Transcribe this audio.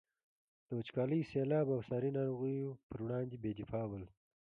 د وچکالي، سیلاب او ساري ناروغیو پر وړاندې بې دفاع ول.